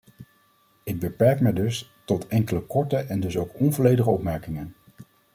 Ik beperk mij dus tot enkele korte en dus ook onvolledige opmerkingen.